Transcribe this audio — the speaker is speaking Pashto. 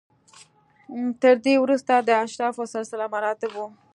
تر ده وروسته د اشرافو سلسله مراتب و